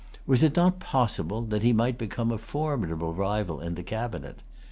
Was it not possible that he might become a formidable rival in the cabinet?